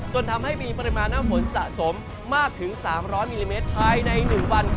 จนทำให้มีปริมาณน้ำฝนสะสมมากถึง๓๐๐มิลลิเมตรภายใน๑วัน